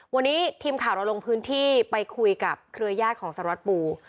วันนี้ทีมข่าวเราลงพื้นที่ไปคุยกับเครือญาติของสารวัตรปู